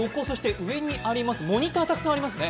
上にモニターがたくさんありますね。